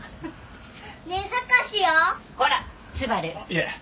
いえ。